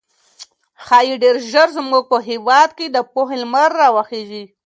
ښايي ډېر ژر زموږ په هېواد کې د پوهې لمر راوخېږي.